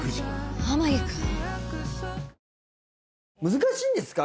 難しいんですか？